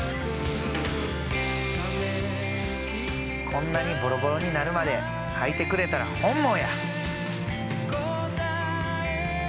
こんなにボロボロになるまで履いてくれたら本望や！